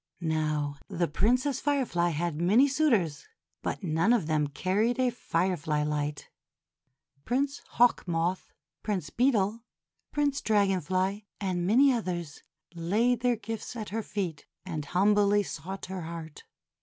Now, the Princess Firefly had many suitors, but none of them carried a firefly light. Prince Hawk Moth, Prince Beetle, Prince Dragon Fly, and many others laid their gifts at her feet, and humbly sought her heart.